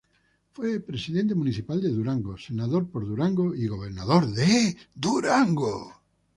Fue Presidente Municipal de Durango, Senador por Durango y Gobernador de Durango.